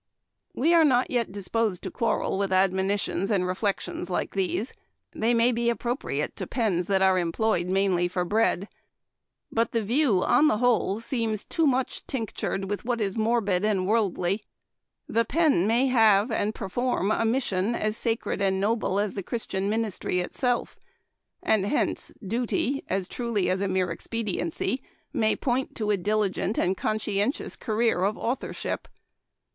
We are not yet disposed to quarrel with ad monitions and reflections like these. They may be appropriate to pens that are employed mainly for bread ; but the view, on the whole, seems too much tinctured with what is morbid and worldly. The pen may have and perform a mission as sacred and noble as the Christian ministry itself, and hence duty, as truly as a mere expediency, may point to a diligent and conscientious career of authorship.